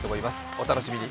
お楽しみに。